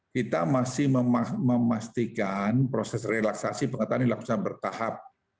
kita masih memastikan proses relaksasi pengetahuan ini laksana bertahap